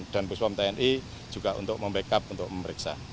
dan puspam tni juga untuk membackup untuk memeriksa